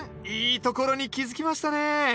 いいところに気付きましたね。